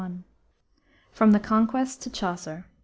FROM THE CONQUEST TO CHAUCER.